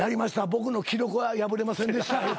僕の記録は破れませんでした。